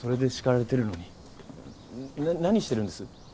な何してるんです？